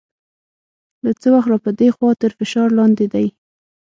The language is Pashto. له څه وخته را په دې خوا تر فشار لاندې دی.